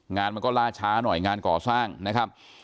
งานมันก็ล่าช้าหน่อยงานก่อสร้างนะครับ